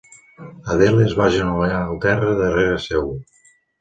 Adele es va agenollar al terra darrere seu.